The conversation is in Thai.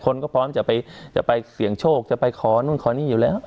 คนก็พร้อมจะไปจะไปเสี่ยงโชคจะไปขอนู่นขอนี่อยู่แล้ว